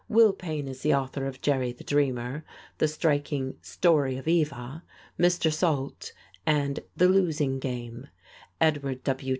Will Payne is the author of "Jerry the Dreamer," the striking "Story of Eva," "Mr. Salt" and "The Losing Game"; Edward W.